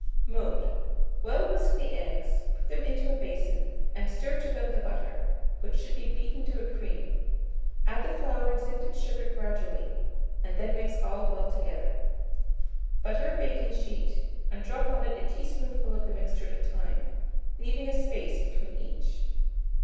Mode. Well whisk the eggs; put them into a basin, and stir to them the butter, which should be beaten to a cream; add the flour and sifted sugar gradually, and then mix all well together. Butter a baking sheet, and drop on it a teaspoonful of the mixture at a time, leaving a space between each.